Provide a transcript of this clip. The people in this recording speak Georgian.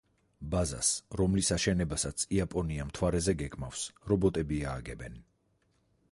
ბაზას, რომლის აშენებასაც იაპონია მთვარეზე გეგმავს, რობოტები ააგებენ.